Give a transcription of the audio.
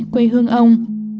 quê hương ông